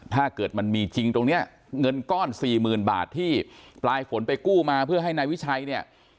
ถ้าเกิดมันมีจริงตรงนี้เงินก้อนสี่หมื่นบาทที่ปลายฝนไปกู้มาเพื่อให้นายวิชัยเนี่ย